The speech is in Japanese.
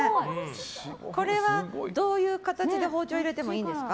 これはどういう形で包丁入れてもいいんですか？